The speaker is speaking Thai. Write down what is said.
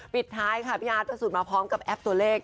ปิดท้ายค่ะพี่อาร์ตประสุทธิ์มาพร้อมกับแอปตัวเลข